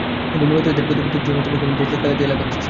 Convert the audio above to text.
কিন্তু মূলত, এসবের প্রতি তোমাদের মুগ্ধতাকে কাজে লাগাচ্ছে সে।